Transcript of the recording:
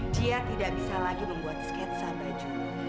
dia tidak bisa lagi membuat sketsa baju